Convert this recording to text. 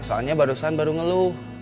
soalnya barusan baru ngeluh